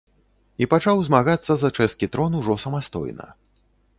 І пачаў змагацца за чэшскі трон ужо самастойна.